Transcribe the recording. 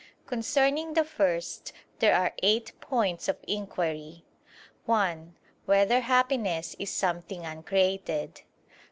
Concerning the first there are eight points of inquiry: (1) Whether happiness is something uncreated?